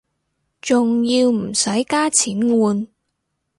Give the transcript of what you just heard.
仲要唔使加錢換